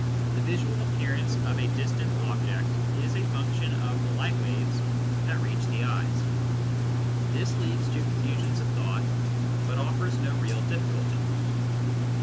the visual appearance of a distant object is a function of the light waves that reach the eyes. This leads to confusions of thought, but offers no real difficulty.